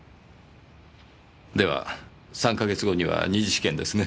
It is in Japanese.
では３か月後には二次試験ですね。